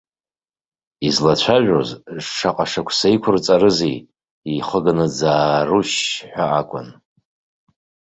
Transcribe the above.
Излацәажәоз, шаҟа шықәса иқәырҵарызеи, ихыганы дзаарушь ҳәа акәын.